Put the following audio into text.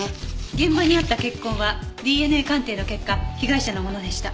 現場にあった血痕はＤＮＡ鑑定の結果被害者のものでした。